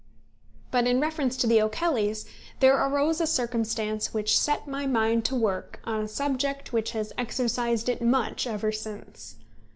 But in reference to The O'Kellys there arose a circumstance which set my mind to work on a subject which has exercised it much ever since.